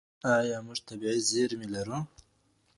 ايا موږ طبيعي زېرمي لرو؟